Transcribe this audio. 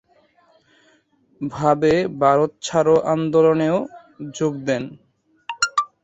ভাবে ভারত ছাড়ো আন্দোলনেও যোগ দেন।